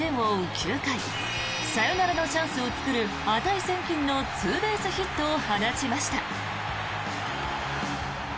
９回サヨナラのチャンスを作る値千金のツーベースヒットを放ちました。